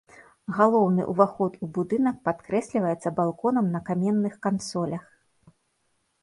Галоўны ўваход у будынак падкрэсліваецца балконам на каменных кансолях.